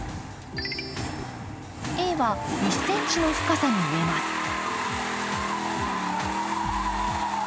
Ａは１ｃｍの深さに植えます